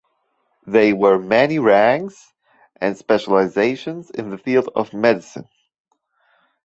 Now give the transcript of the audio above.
There were many ranks and specializations in the field of medicine.